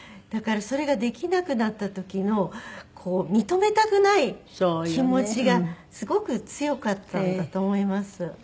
だからそれができなくなった時のこう認めたくない気持ちがすごく強かったんだと思います。